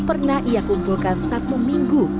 pernah ia kumpulkan satu minggu